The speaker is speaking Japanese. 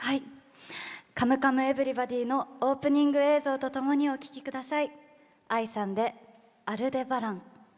「カムカムエヴリバディ」のオープニング映像とともにお聴きください。